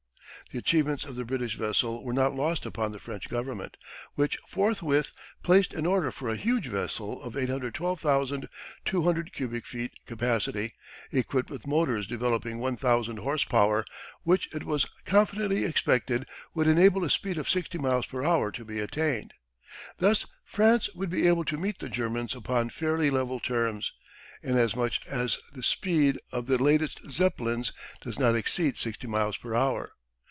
The achievements of the British vessel were not lost upon the French Government, which forthwith placed an order for a huge vessel of 812,200 cubic feet capacity, equipped with motors developing 1,000 horse power, which it was confidently expected would enable a speed of 60 miles per hour to be attained. Thus France would be able to meet the Germans upon fairly level terms, inasmuch as the speed of the latest Zeppelins does not exceed 60 miles per hour.